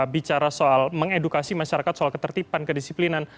bicara soal mengedukasi masyarakat soal ketertiban kedisiplinan